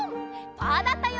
パーだったよ！